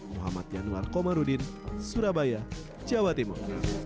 muhammad yanuar komarudin surabaya jawa timur